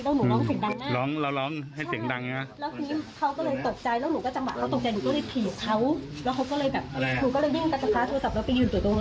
แล้วหนูก็ร้องเฮ้ยด้วยมีคนอยู่ข้างแล้วหนูก็เลยปวดโทรหาไป